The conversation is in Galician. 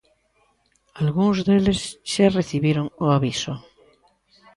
Algúns deles xa recibiron o aviso.